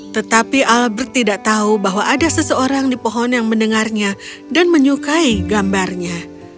tetapi albert tidak tahu bahwa ada seseorang di pohon yang mendengarnya dan menyukai gambarnya